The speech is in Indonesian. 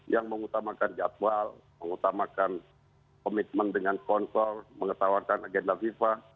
yang mengutamakan jadwal mengutamakan komitmen dengan sponsor mengetawarkan agenda fifa